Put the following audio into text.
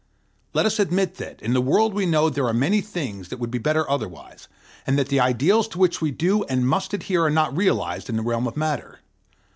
Let us admit that, in the world we know there are many things that would be better otherwise, and that the ideals to which we do and must adhere are not realized in the realm of matter.